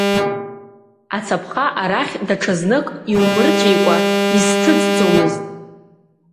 Ацаԥха арахь даҽазнык иумырҵәикәа изҭыҵӡомызт.